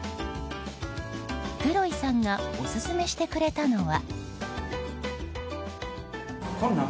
クロイさんがオススメしてくれたのは。